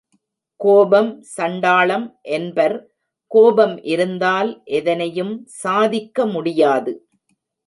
கோபம் சண்டாளம் என்பர் கோபம் இருந்தால் எதனையும் சாதிக்க முடியாது.